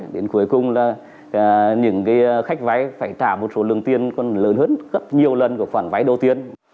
đến cuối cùng là những khách vay phải trả một số lượng tiền còn lớn hơn gấp nhiều lần của khoản vay đầu tiên